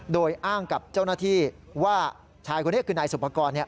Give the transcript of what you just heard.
โดยอ้างกับเจ้าหน้าที่ว่าชายคนนี้คือนายสุภกร